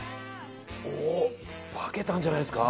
化けたんじゃないですか？